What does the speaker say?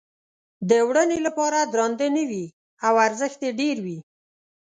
د وړنې لپاره درانده نه وي او ارزښت یې ډېر وي.